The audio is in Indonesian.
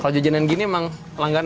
kalau jajanan gini emang langganan